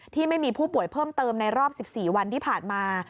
ที่มีผู้ป่วยเพิ่มเติมในรอบ๑๔วันที่ผ่านมา